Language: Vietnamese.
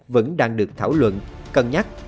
vẫn đang được thảo luận cân nhắc